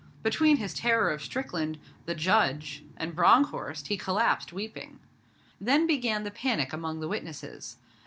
Between his terror of Strickland, the Judge, and Bronckhorst he collapsed weeping. Then began the panic among the witnesses.